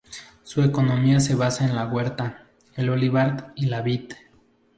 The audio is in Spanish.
Su economía se basa en la huerta, el olivar y la vid.